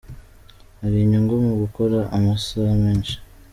Hari inyungu mu gukora amasaha menshi.